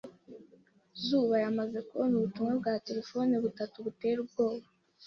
Zuba yamaze kubona ubutumwa bwa terefone butatu butera ubwoba.